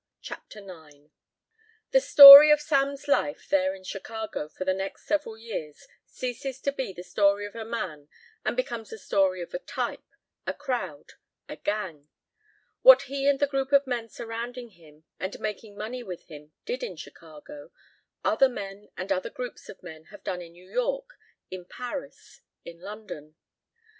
CHAPTER IX The story of Sam's life there in Chicago for the next several years ceases to be the story of a man and becomes the story of a type, a crowd, a gang. What he and the group of men surrounding him and making money with him did in Chicago, other men and other groups of men have done in New York, in Paris, in London.